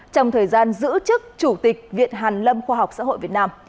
trong thời gian giữ chức chủ tịch viện hàn lâm khoa học xã hội việt nam